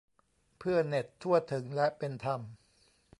เพื่อเน็ตทั่วถึงและเป็นธรรม